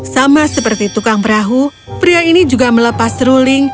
sama seperti tukang perahu pria ini juga melepas ruling